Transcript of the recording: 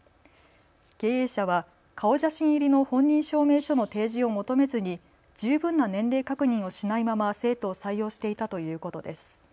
経営者は顔写真入りの本人証明書の提示を求めずに十分な年齢確認をしないまま生徒を採用していたということです。